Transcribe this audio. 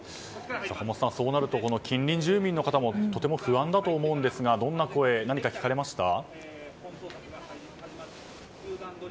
そうなると近隣住民の方もとても不安だと思うんですがどんな声、何か聞かれました？